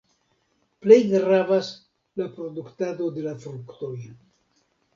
Plej gravas la produktado de la fruktoj.